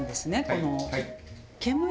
この。